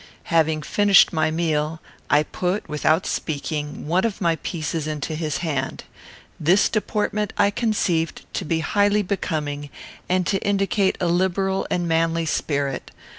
Having finished my meal, I put, without speaking, one of my pieces into his hand. This deportment I conceived to be highly becoming, and to indicate a liberal and manly spirit.